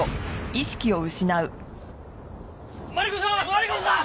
マリコさん！